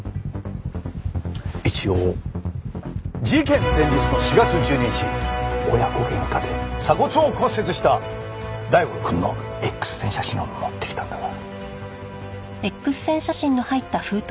一応事件前日の４月１２日親子喧嘩で鎖骨を骨折した大五郎くんのＸ線写真を持ってきたんだが。